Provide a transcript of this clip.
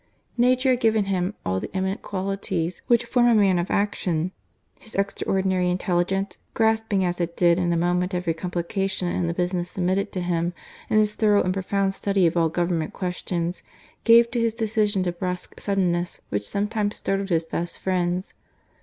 Nature had given him all the eminent qualities which form a man of action. His extraordinary intelligence, grasping as it did in a moment every complication in the business submitted to him, and his thorough and profound study of all Government questions, gave to his decisions a brusque suddenness which sometimes startled his best friends.